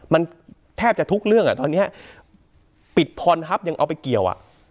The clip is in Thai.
มันแทบจะทุกเรื่องอ่ะตอนนี้ปิดพรฮัพยังเอาไปเกี่ยวอ่ะ